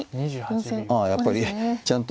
ああやっぱりちゃんと。